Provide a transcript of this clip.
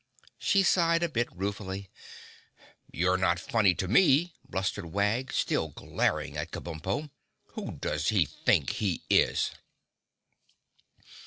she sighed a bit ruefully. "You're not funny to me," blustered Wag, still glaring at Kabumpo. "Who does he think he is?"